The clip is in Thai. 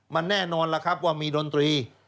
มันแน่นอนล่ะครับว่ามีดนตรี